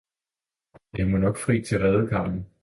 Jeg må nok fri til redekammen!